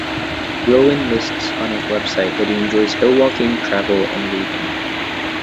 Rowen lists on his website that he enjoys hill-walking, travel and reading.